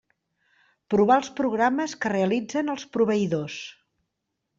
Provar els programes que realitzen els proveïdors.